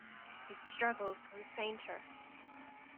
His struggles grew fainter.